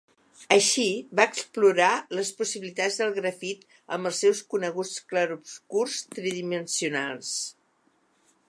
Així, va explorar les possibilitats del grafit amb els seus coneguts clarobscurs tridimensionals.